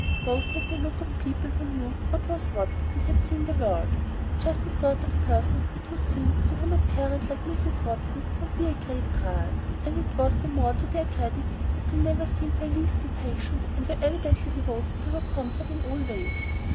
Both had the look of people who knew what was what and had seen the world, just the sort of persons, it would seem, to whom a parent like Mrs. Watson would be a great trial; and it was the more to their credit that they never seemed in the least impatient, and were evidently devoted to her comfort in all ways.